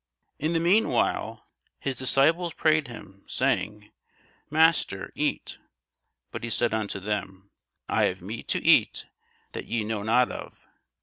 In the mean while his disciples prayed him, saying, Master, eat. But he said unto them, I have meat to eat that ye know not of.